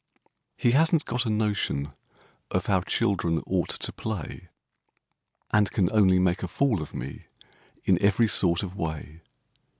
He hasn't got a notion of how children ought to play, And can only make a fool of me in every sort of way.